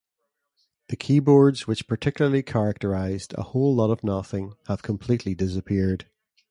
The keyboards which particularly characterized "A Whole Lot of Nothing" have completely disappeared.